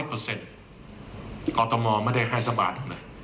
อัตโมไม่ได้แค่สักบาท